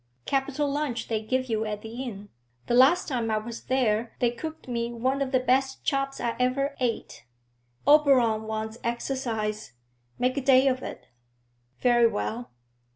Capital lunch they give you at the inn; the last time I was there they cooked me one of the best chops I ever ate. Oberon wants exercise; make a day of it.' 'Very well.'